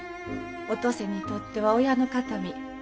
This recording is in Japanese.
お登勢にとっては親の形見。